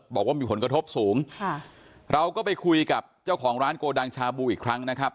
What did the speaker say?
บอกว่ามีผลกระทบสูงค่ะเราก็ไปคุยกับเจ้าของร้านโกดังชาบูอีกครั้งนะครับ